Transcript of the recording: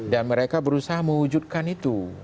dan mereka berusaha mewujudkan itu